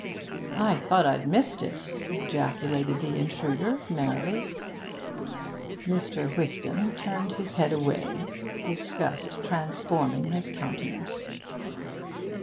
'I thought I'd missed it!' ejaculated the intruder merrily. Mr. Whiston turned his head away, disgust transforming his countenance.